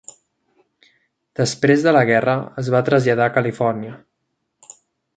Després de la guerra es va traslladar a Califòrnia.